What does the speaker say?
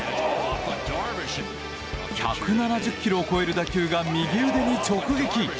１７０キロを越える打球が右腕に直撃。